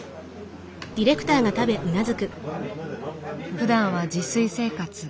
ふだんは自炊生活。